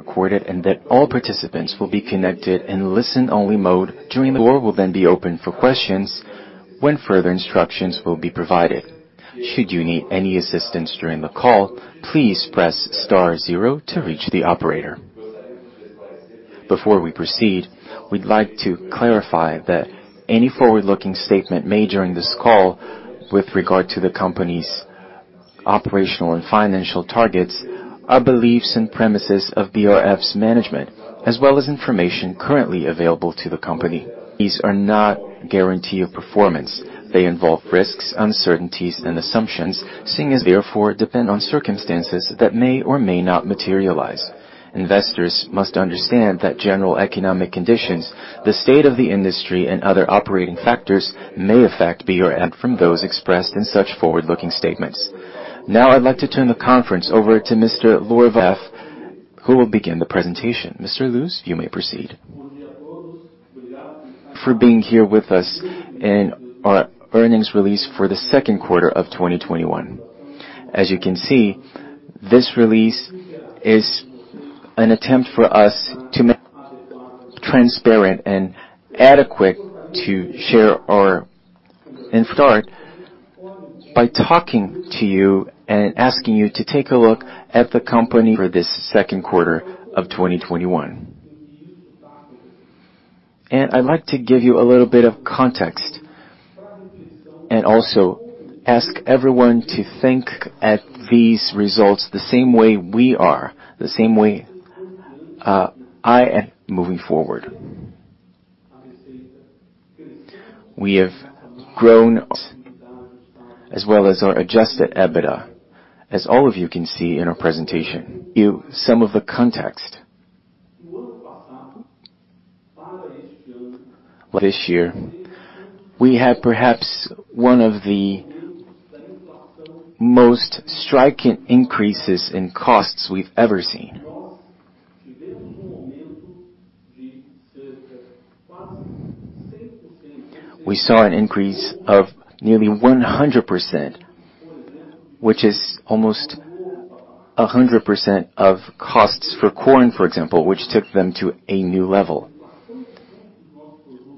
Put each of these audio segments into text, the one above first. Being recorded and that all participants will be connected in listen-only mode. Floor will then be open for questions when further instructions will be provided. Should you need any assistance during the call, please press star zero to reach the operator. Before we proceed, we'd like to clarify that any forward-looking statement made during this call with regard to the company's operational and financial targets are beliefs and premises of BRF's management, as well as information currently available to the company. These are not guarantee of performance. They involve risks, uncertainties, and assumptions, seeing as therefore depend on circumstances that may or may not materialize. Investors must understand that general economic conditions, the state of the industry, and other operating factors may affect BRF from those expressed in such forward-looking statements. I'd like to turn the conference over to Mr. Lorival Luz, who will begin the presentation. Mr. Luz, you may proceed. For being here with us in our earnings release for the second quarter of 2021. As you can see, this release is an attempt for us to make transparent and adequate to share. Start by talking to you and asking you to take a look at the company for this second quarter of 2021. I'd like to give you a little bit of context, and also ask everyone to think at these results the same way we are, the same way I am moving forward. We have grown as well as our adjusted EBITDA, as all of you can see in our presentation. You some of the context. This year, we had perhaps one of the most striking increases in costs we've ever seen. We saw an increase of nearly 100%, which is almost 100% of costs for corn, for example, which took them to a new level.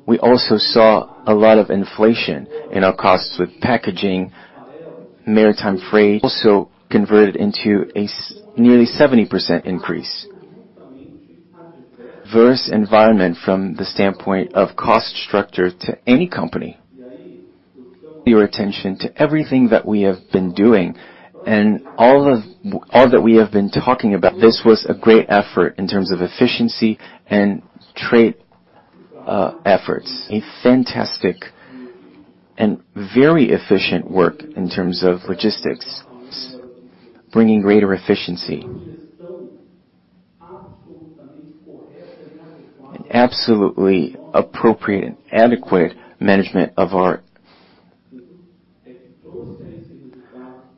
We also saw a lot of inflation in our costs with packaging, maritime freight also converted into a nearly 70% increase. Worse environment from the standpoint of cost structure to any company. Your attention to everything that we have been doing and all that we have been talking about. This was a great effort in terms of efficiency and trade efforts. A fantastic and very efficient work in terms of logistics. Bringing greater efficiency.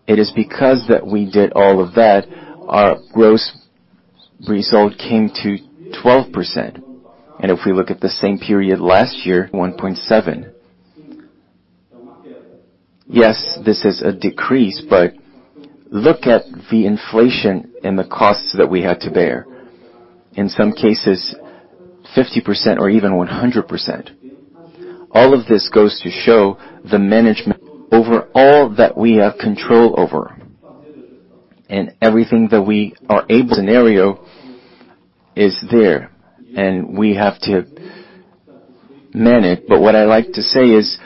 It is because that we did all of that, our gross result came to 12%. If we look at the same period last year, 1.7%. Yes, this is a decrease. Look at the inflation and the costs that we had to bear, in some cases, 50% or even 100%. All of this goes to show the management over all that we have control over. Scenario is there. We have to manage. What I like to say is,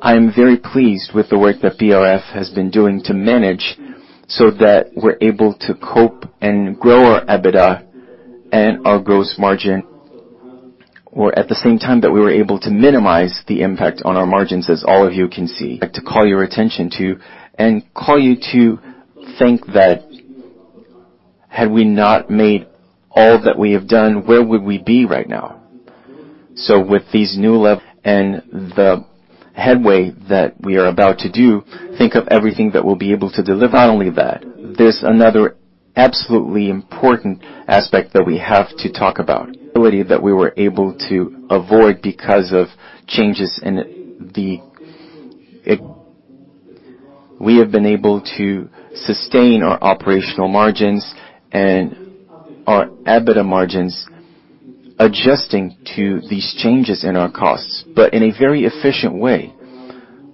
I am very pleased with the work that BRF has been doing to manage so that we're able to cope and grow our EBITDA and our gross margin. At the same time that we were able to minimize the impact on our margins, as all of you can see. I like to call your attention to and call you to think that had we not made all that we have done, where would we be right now? With these new levels and the headway that we are about to do, think of everything that we'll be able to deliver. Not only that, there's another absolutely important aspect that we have to talk about. We have been able to sustain our operational margins and our EBITDA margins, adjusting to these changes in our costs, but in a very efficient way,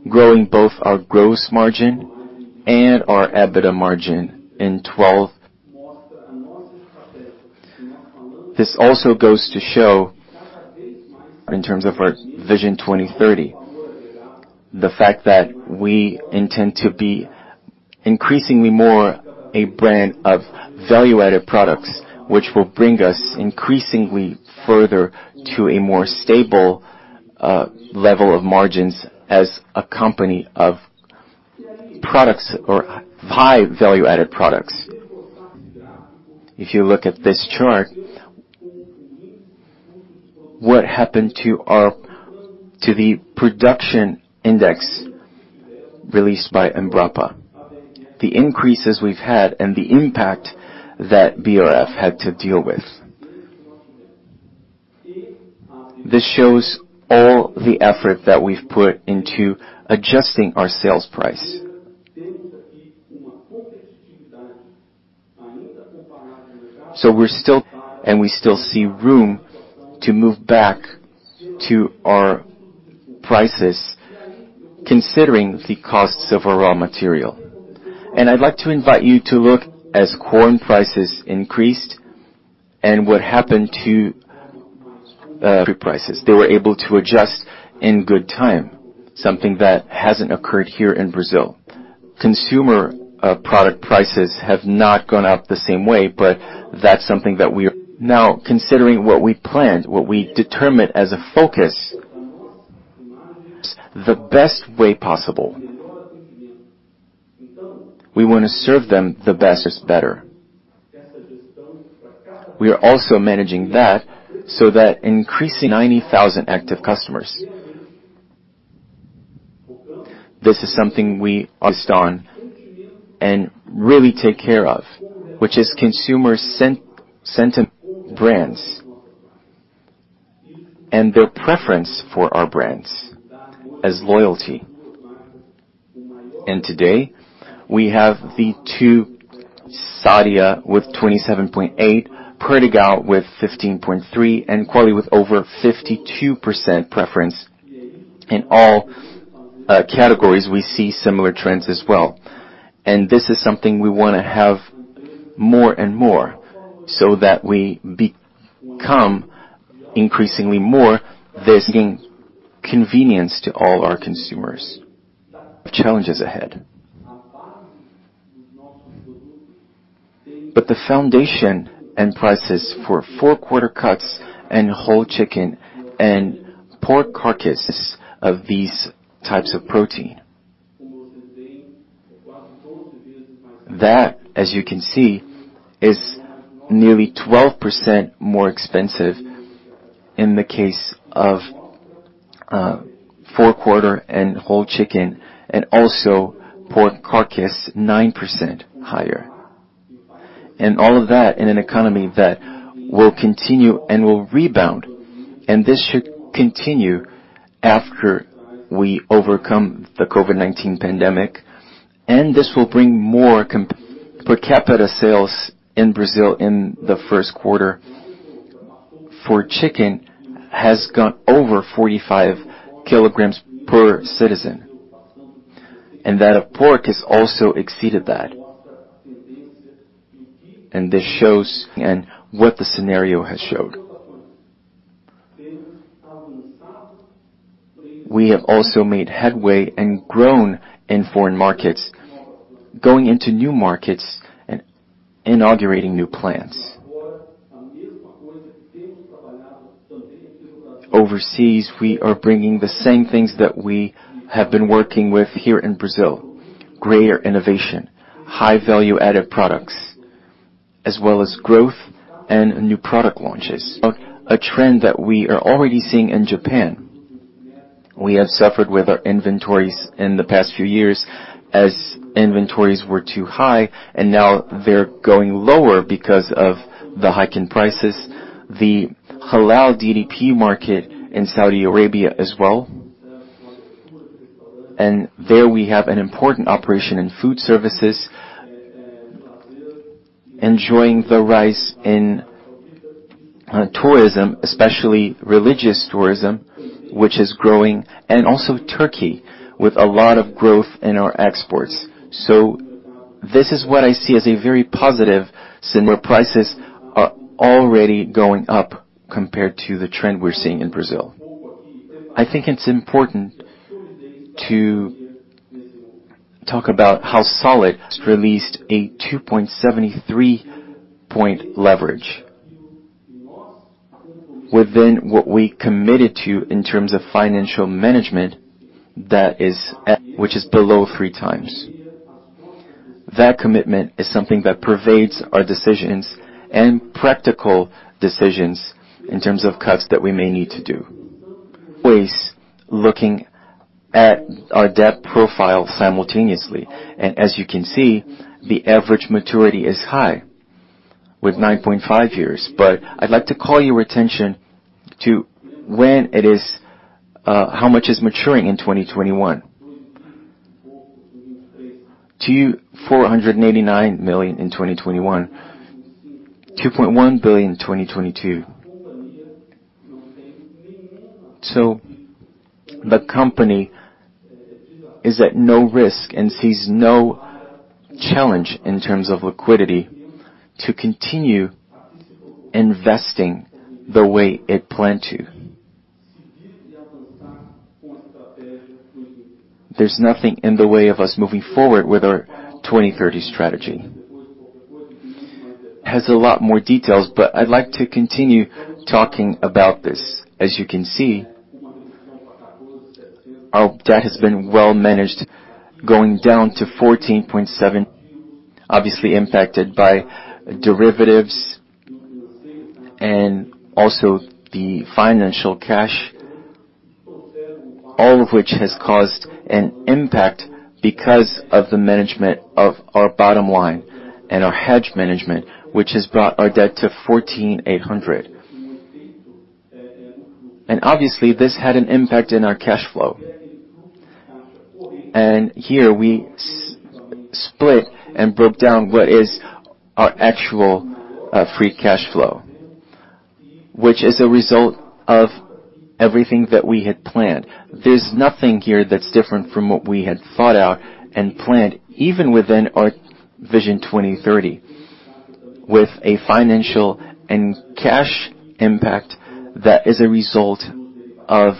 growing both our gross margin and our EBITDA margin in 12. This also goes to show in terms of our Vision 2030, the fact that we intend to be increasingly more a brand of value-added products, which will bring us increasingly further to a more stable level of margins as a company of products or high value-added products. If you look at this chart, what happened to the production index released by EMBRAPA. The increases we've had and the impact that BRF had to deal with. This shows all the effort that we've put into adjusting our sales price. We're still, and we still see room to move back to our prices considering the costs of our raw material. I'd like to invite you to look as corn prices increased and what happened to prices. They were able to adjust in good time. Something that hasn't occurred here in Brazil. Consumer product prices have not gone up the same way, but that's something that we are now considering what we planned, what we determined as a focus the best way possible. We want to serve them the best is better. We are also managing that so that increasing 90,000 active customers. This is something we focused on and really take care of, which is consumer sentiment brands and their preference for our brands as loyalty. Today, we have the two, Sadia with 27.8%, Perdigão with 15.3%, and Qualy with over 52% preference. In all categories, we see similar trends as well. This is something we want to have more and more so that we become increasingly more this convenience to all our consumers. Challenges ahead. The foundation and prices for four quarter cuts and whole chicken and pork carcass of these types of protein. That, as you can see, is nearly 12% more expensive in the case of four quarter and whole chicken and also pork carcass 9% higher. All of that in an economy that will continue and will rebound, this should continue after we overcome the COVID-19 pandemic, and this will bring more per capita sales in Brazil in the first quarter for chicken has gone over 45 kg per citizen. That of pork has also exceeded that. This shows and what the scenario has showed. We have also made headway and grown in foreign markets, going into new markets and inaugurating new plants. Overseas, we are bringing the same things that we have been working with here in Brazil, greater innovation, high value-added products, as well as growth and new product launches. A trend that we are already seeing in Japan. We have suffered with our inventories in the past few years as inventories were too high, and now they're going lower because of the hike in prices. The halal DDP market in Saudi Arabia as well. There we have an important operation in food services. Enjoying the rise in tourism, especially religious tourism, which is growing, and also Turkey, with a lot of growth in our exports. This is what I see as a very positive signal. Where prices are already going up compared to the trend we're seeing in Brazil. I think it's important to talk about how BRF released a 2.73 point leverage within what we committed to in terms of financial management that is at which is below 3x. That commitment is something that pervades our decisions and practical decisions in terms of cuts that we may need to do. Always looking at our debt profile simultaneously. As you can see, the average maturity is high with 9.5 years. I'd like to call your attention to when it is, how much is maturing in 2021. 489 million in 2021, 2.1 billion in 2022. The company is at no risk and sees no challenge in terms of liquidity to continue investing the way it planned to. There's nothing in the way of us moving forward with our 2030 strategy. Has a lot more details, I'd like to continue talking about this. As you can see, our debt has been well managed, going down to 14.7, obviously impacted by derivatives and also the financial cash, all of which has caused an impact because of the management of our bottom line and our hedge management, which has brought our debt to 14,800. Obviously, this had an impact on our cash flow. Here we split and broke down what is our actual free cash flow, which is a result of everything that we had planned. There's nothing here that's different from what we had thought out and planned, even within our Vision 2030, with a financial and cash impact that is a result of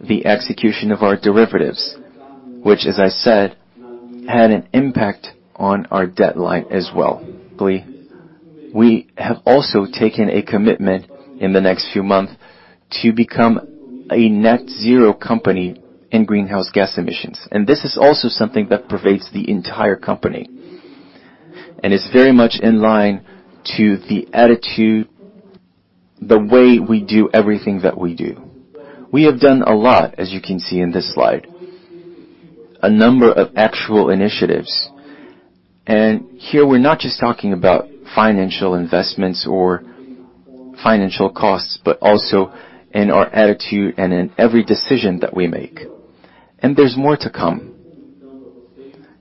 the execution of our derivatives. Which, as I said, had an impact on our deadline as well. We have also taken a commitment in the next few months to become a net-zero company in greenhouse gas emissions. This is also something that pervades the entire company. It's very much in line to the attitude, the way we do everything that we do. We have done a lot, as you can see in this slide, a number of actual initiatives. Here, we're not just talking about financial investments or financial costs, but also in our attitude and in every decision that we make. There's more to come.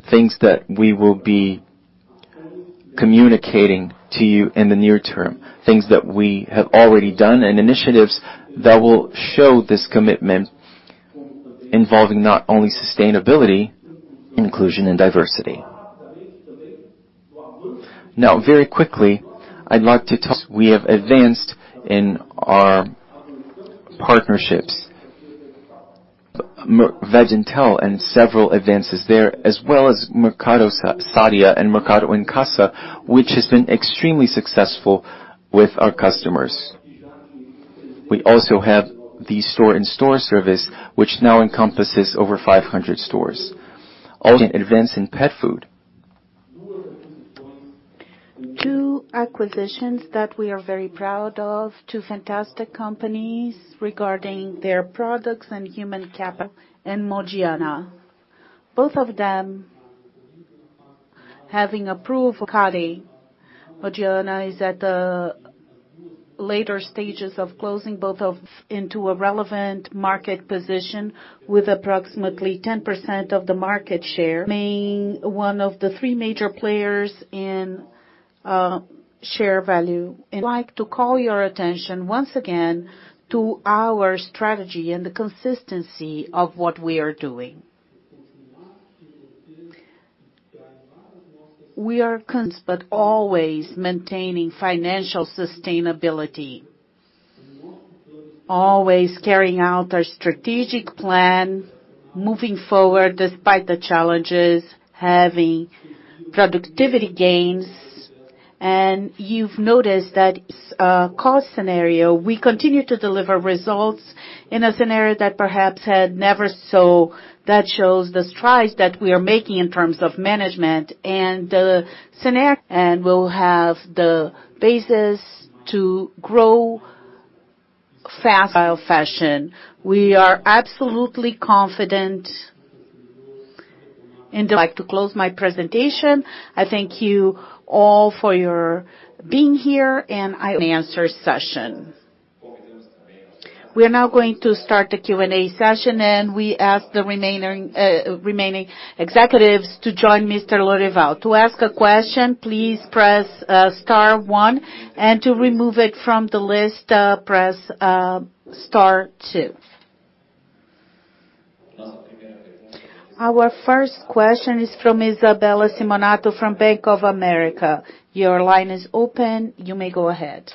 Things that we will be communicating to you in the near term, things that we have already done, and initiatives that will show this commitment involving not only sustainability, inclusion and diversity. Very quickly, we have advanced in our partnerships. Veg&Tal and several advances there, as well as Mercado Sadia and Mercado em Casa, which has been extremely successful with our customers. We also have the store-in-store service, which now encompasses over 500 stores. Advance in pet food. Two acquisitions that we are very proud of, two fantastic companies regarding their products and human capital, and Mogiana. Both of them having approved Qualy. Mogiana is at the later stages of closing both of into a relevant market position with approximately 10% of the market share, remaining one of the three major players in share value. I'd like to call your attention once again to our strategy and the consistency of what we are doing. Always maintaining financial sustainability, always carrying out our strategic plan, moving forward despite the challenges, having productivity gains. You've noticed that cost scenario, we continue to deliver results in a scenario that perhaps had never. That shows the strides that we are making in terms of management. We'll have the basis to grow fashion. We are absolutely confident and like to close my presentation. I thank you all for your being here. Answer session. We are now going to start the Q&A session. We ask the remaining executives to join Mr. Lorival. To ask a question, please press star one. To remove it from the list, press star two. Our first question is from Isabella Simonato from Bank of America. Your line is open. You may go ahead.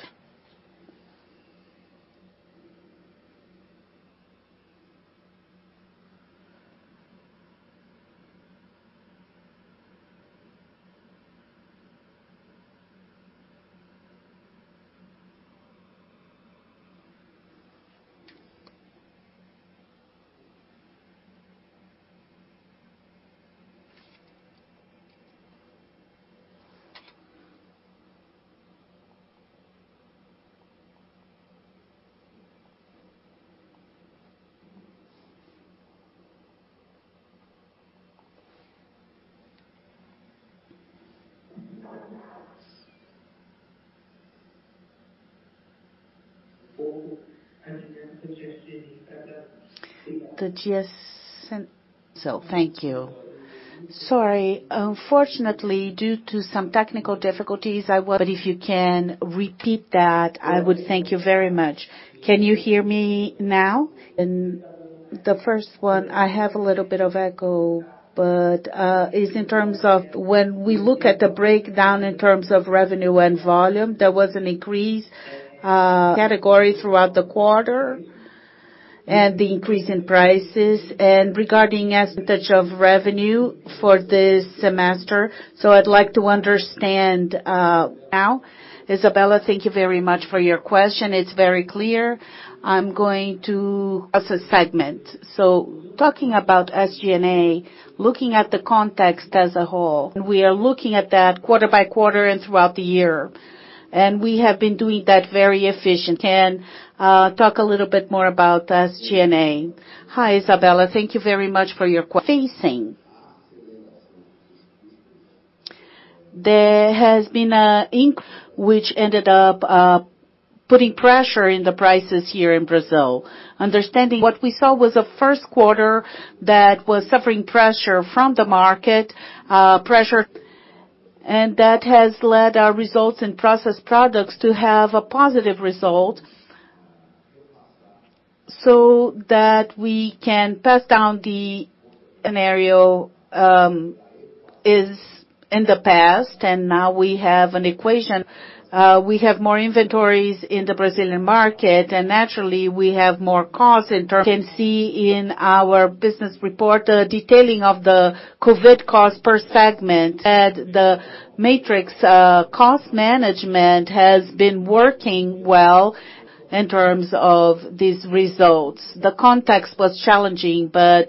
Thank you. Sorry. Unfortunately, due to some technical difficulties. If you can repeat that, I would, thank you very much. Can you hear me now? In the first 1, I have a little bit of echo. It's in terms of when we look at the breakdown in terms of revenue and volume, there was an increase category throughout the quarter and the increase in prices. Regarding as percentage of revenue for this semester. Now, Isabella Simonato, thank you very much for your question. It's very clear. As a segment. Talking about SG&A, looking at the context as a whole, and we are looking at that quarter by quarter and throughout the year. We have been doing that very efficiently. Can talk a little bit more about SG&A. Hi, Isabella Simonato. Which ended up putting pressure in the prices here in Brazil. Understanding what we saw was a first quarter that was suffering pressure from the market. That has led our results in process products to have a positive result, so that we can pass down the scenario is in the past and now we have an equation. We have more inventories in the Brazilian market, and naturally we have more costs in terms. You can see in our business report, detailing of the COVID cost per segment at the matrix cost management has been working well in terms of these results. The context was challenging. That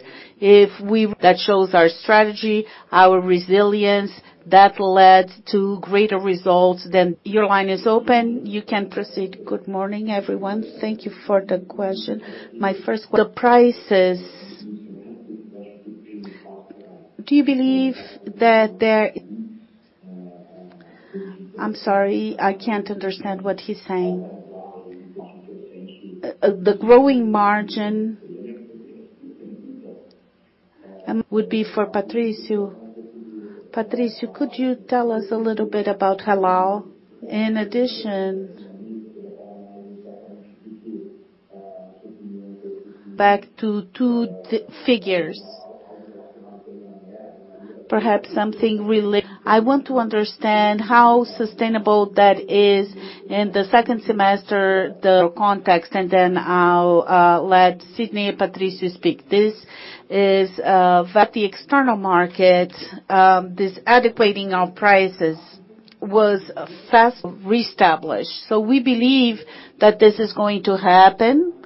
shows our strategy, our resilience, that led to greater results than. Your line is open. You can proceed. Good morning, everyone. Thank you for the question. The prices. I'm sorry, I can't understand what he's saying. The growing margin. Would be for Patricio. Patricio, could you tell us a little bit about halal? In addition. Back to two figures. Perhaps something. I want to understand how sustainable that is in the second semester, Context, and then I'll let Sidney and Patricio speak. This is. At the external market, this adequately our prices re-established. We believe that this is going to happen.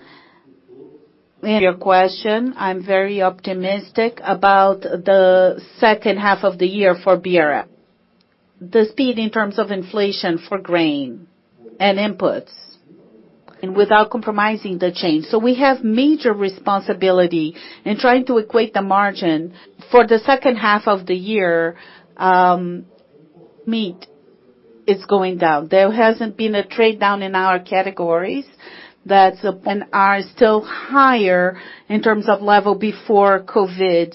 Your question, I'm very optimistic about the second half of the year for BRF. The speed in terms of inflation for grain and inputs. Without compromising the chain. We have major responsibility in trying to equate the margin. For the second half of the year, meat is going down. There hasn't been a trade-down in our categories. Are still higher in terms of level before COVID.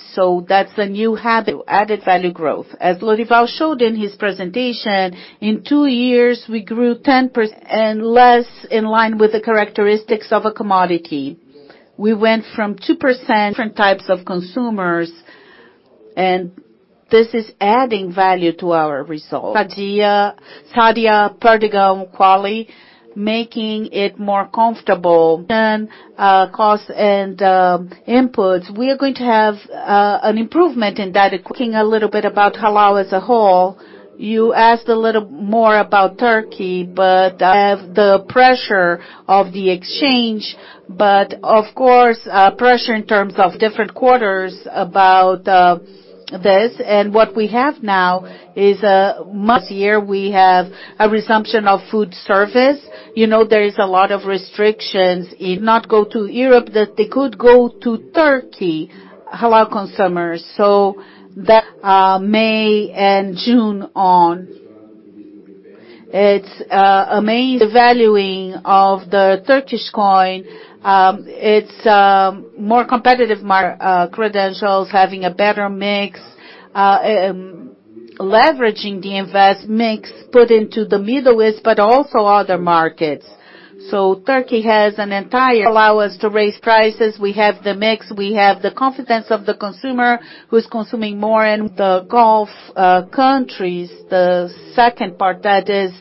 That's the new habit. Added value growth. As Lorival showed in his presentation, in two years, we grew 10%. Less in line with the characteristics of a commodity. We went from 2%. Different types of consumers. This is adding value to our results. Sadia, Perdigão, Qualy, making it more comfortable. Than cost and inputs, we are going to have an improvement in that. Talking a little bit about halal as a whole, you asked a little more about Turkey. Have the pressure of the exchange, but of course, pressure in terms of different quarters about this. What we have now is a much. Year, we have a resumption of food services. There is a lot of restrictions. Not go to Europe, that they could go to Turkey. halal consumers. That. May and June on. It's a main. The valuing of the Turkish coin, it's more competitive. Credentials, having a better mix, leveraging the invest mix put into the Middle East, but also other markets. Turkey has an entire. Allow us to raise prices. We have the mix, we have the confidence of the consumer who is consuming more in the Gulf countries. The second part that is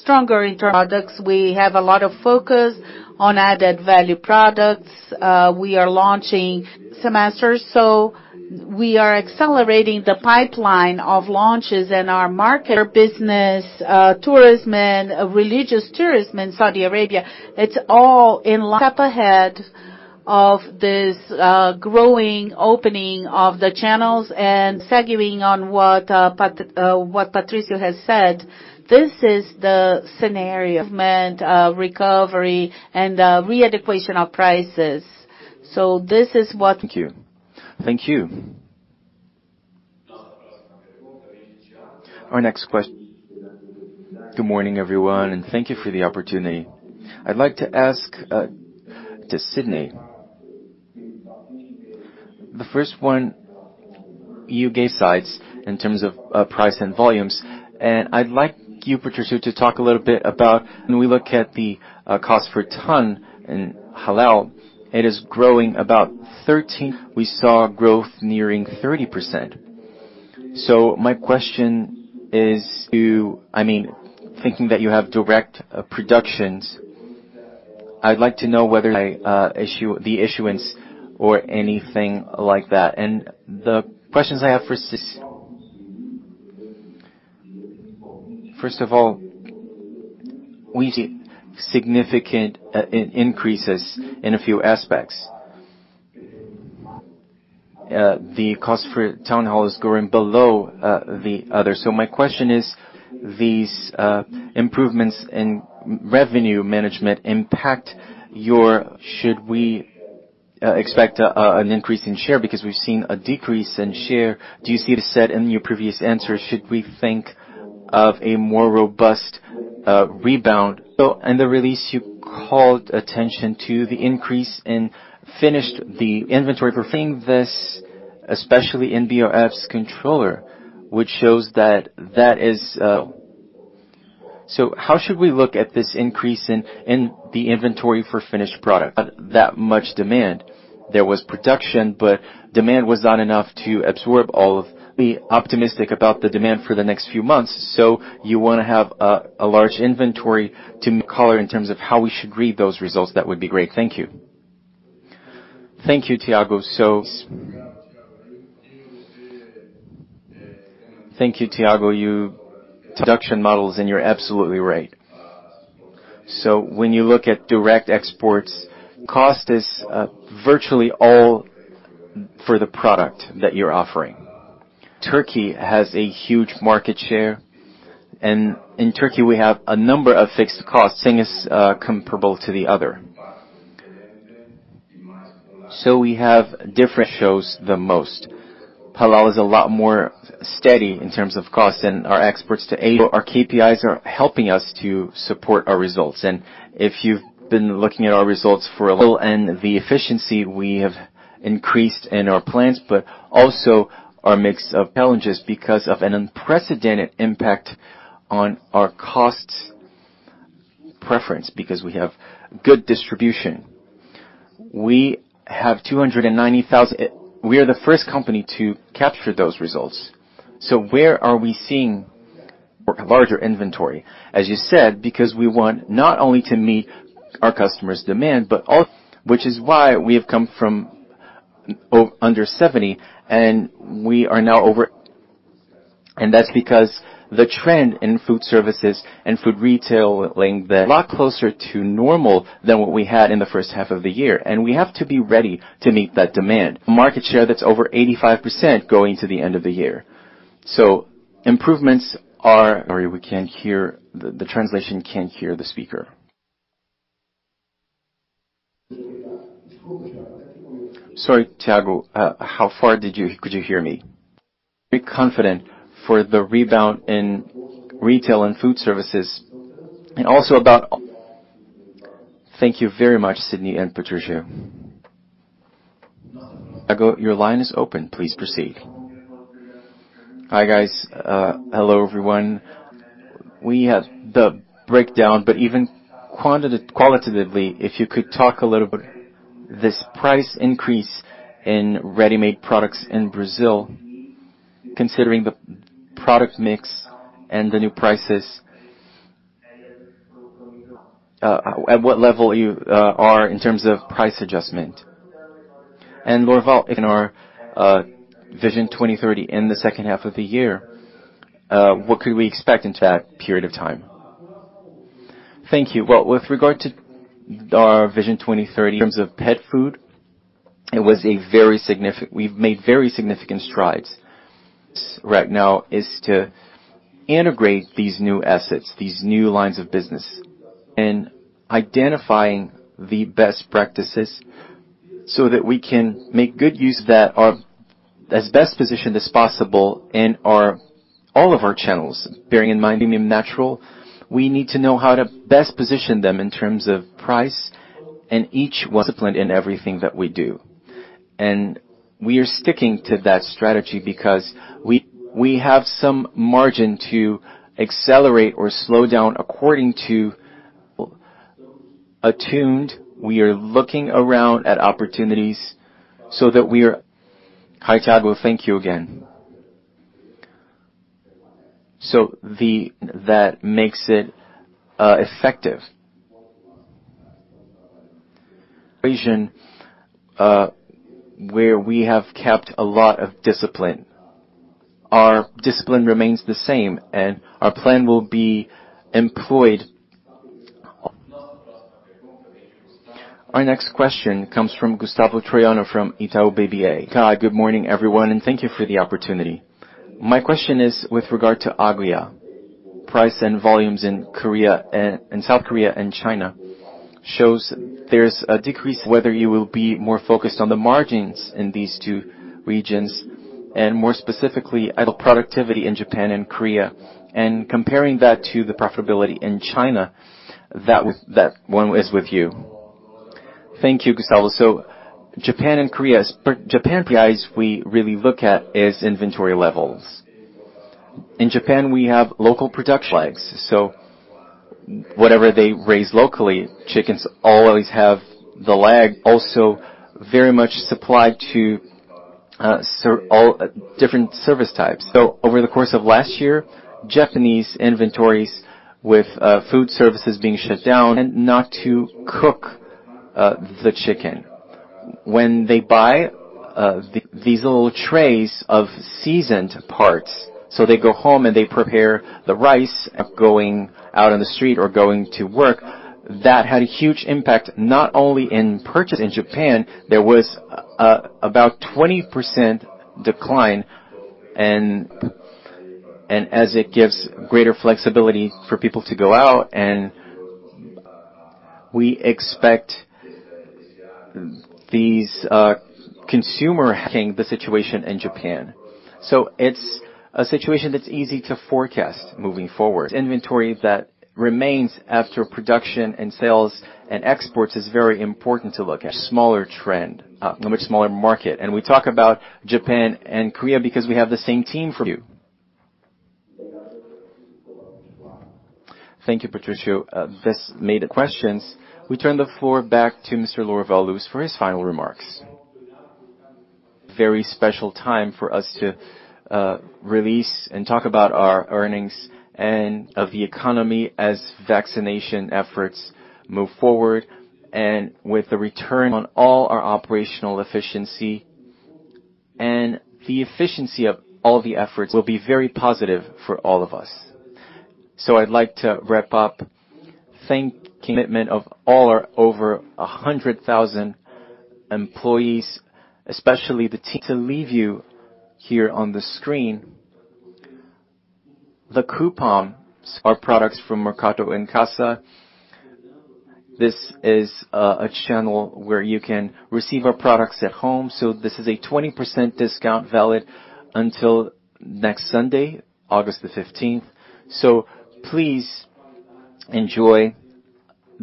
stronger in products. We have a lot of focus on added value products. We are launching semesters. We are accelerating the pipeline of launches in our business, tourism, and religious tourism in Saudi Arabia. It's all in line step ahead of this growing opening of the channels. Segueing on what Patricio has said, this is the scenario. Movement, recovery, and re-adequation of prices. Thank you. Thank you. Our next question. Good morning, everyone, and thank you for the opportunity. I'd like to ask to Sidney. The first one, you gave sides in terms of price and volumes. I'd like you, Patricio, to talk a little bit about when we look at the cost for ton in Halal, we saw growth nearing 30%. My question is, I mean, thinking that you have direct productions, I'd like to know whether I issue the issuance or anything like that. The questions I have for Sidney. First of all, we see significant increases in a few aspects. The cost for ton in Halal is growing below the other. My question is, should we expect an increase in share because we've seen a decrease in share. Do you see, as said in your previous answer, should we think of a more robust rebound? In the release, you called attention to the increase in finished the inventory for seeing this, especially in BRF's controller, which shows that that is How should we look at this increase in the inventory for finished product? That much demand. There was production, but demand was not enough to absorb all of- Be optimistic about the demand for the next few months, so you want to have a large inventory to-- Color in terms of how we should read those results, that would be great. Thank you. Thank you, Thiago. Thank you, Thiago. Production models, and you're absolutely right. When you look at direct exports, cost is virtually all for the product that you're offering. Turkey has a huge market share, and in Turkey, we have a number of fixed costs, saying it's comparable to the other. We have different. Shows the most. Halal is a lot more steady in terms of cost than our exports to Asia. Our KPIs are helping us to support our results and if you've been looking at our results for a little. The efficiency we have increased in our plans, but also our mix of challenges because of an unprecedented impact on our costs. Preference, because we have good distribution. We have 290,000. We are the first company to capture those results. Where are we seeing? Larger inventory. As you said, because we want not only to meet our customer's demand. Which is why we have come from under 70. That's because the trend in food services and food retailing is a lot closer to normal than what we had in the first half of the year, and we have to be ready to meet that demand. A market share that's over 85% going to the end of the year. Improvements. Sorry, the translation can't hear the speaker. Sorry, Thiago. How far could you hear me? Be confident for the rebound in retail and food services and also. Thank you very much, Sidney and Patricio. Thiago, your line is open. Please proceed. Hi, guys. Hello, everyone. We have the breakdown, but even qualitatively, if you could talk a little bit. This price increase in ready-made products in Brazil, considering the product mix and the new prices, at what level you are in terms of price adjustment? Lorival, in our Vision 2030 in the second half of the year, what could we expect into that period of time? Thank you. Well, with regard to our Vision 2030. In terms of pet food, we've made very significant strides. Right now is to integrate these new assets, these new lines of business, and identifying the best practices so that we can make good use that are as best positioned as possible in all of our channels, bearing in mind being natural, we need to know how to best position them in terms of price. Discipline in everything that we do. We are sticking to that strategy because we have some margin to accelerate or slow down attuned. We are looking around at opportunities so that. Hi, Thiago. Thank you again. That makes it effective. Region where we have kept a lot of discipline. Our discipline remains the same, and our plan will be employed. Our next question comes from Gustavo Troyano from Itaú BBA. Hi. Good morning, everyone, and thank you for the opportunity. My question is with regard to Nagoya. Price and volumes in South Korea and China shows there's a decrease. Whether you will be more focused on the margins in these two regions and more specifically, idle productivity in Japan and Korea, and comparing that to the profitability in China, that one is with you. Thank you, Gustavo. Japan and Korea. Japan KPIs we really look at is inventory levels. In Japan, we have local production. Legs. Whatever they raise locally, chickens always have the leg also very much supplied to different service types. Over the course of last year, Japanese inventories with food services being shut down, not to cook the chicken. When they buy these little trays of seasoned parts, so they go home and they prepare the rice of going out on the street or going to work, that had a huge impact, not only in purchase. In Japan, there was about 20% decline and as it gives greater flexibility for people to go out and we expect these consumer- Handling the situation in Japan. It's a situation that's easy to forecast moving forward. Inventory that remains after production and sales and exports is very important to look at. A smaller trend, a much smaller market. We talk about Japan and Korea because we have the same team for you. Thank you, Patricio. Questions. We turn the floor back to Mr. Lorival Luz for his final remarks. Very special time for us to release and talk about our earnings and of the economy as vaccination efforts move forward and with the return on all our operational efficiency and the efficiency of all the efforts will be very positive for all of us. I'd like to wrap up, thanking commitment of all our over 100,000 employees. To leave you here on the screen the coupon. Our products from Mercado em Casa. This is a channel where you can receive our products at home. This is a 20% discount valid until next Sunday, August 15th. Please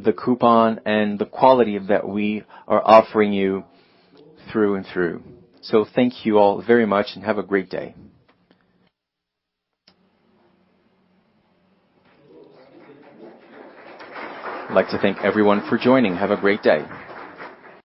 enjoy the coupon and the quality that we are offering you through and through. Thank you all very much and have a great day. I'd like to thank everyone for joining. Have a great day.